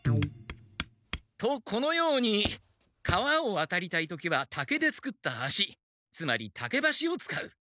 とこのように川をわたりたい時は竹で作った橋つまり竹橋を使う。